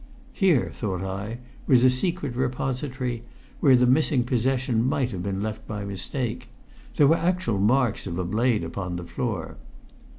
Here, thought I, was a secret repository where the missing possession might have been left by mistake; there were the actual marks of a blade upon the floor.